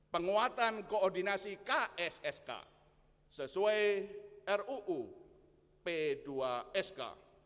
penguatan koordinasi kssk sesuai ruu p dua sk